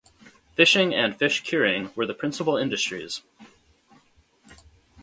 Fishing and fish curing were the principal industries.